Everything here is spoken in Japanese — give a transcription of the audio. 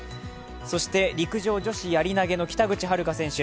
そして陸上女子やり投の北口榛花選手。